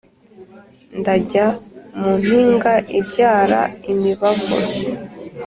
ndajya mu mpinga ibyara imibavu,